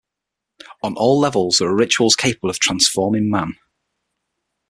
On all levels there are rituals capable of transforming man.